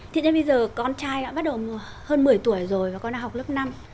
thiện nhân bây giờ con trai bắt đầu hơn một mươi tuổi rồi và con đang học lớp năm